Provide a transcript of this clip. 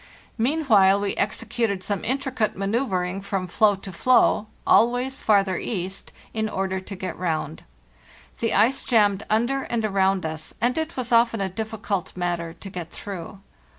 Meanwhile we executed some intricate manceuvring from floe to floe, always farther east, in order to get round. The ice jammed under and around us, and it was often a difficult matter to get through.